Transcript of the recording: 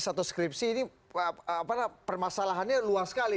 satu skripsi ini permasalahannya luas sekali